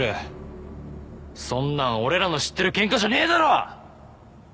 そんなん俺らの知ってるケンカじゃねえだろ！？